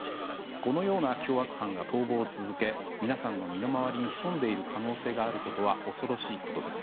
このような凶悪犯が逃亡を続け皆さんの身の回りに潜んでいる可能性があることは恐ろしいことです。